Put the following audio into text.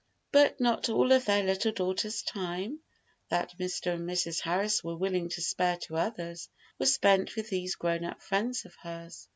But not all of their little daughter's time, that Mr. and Mrs. Harris were willing to spare to others, was spent with these grown up friends of hers.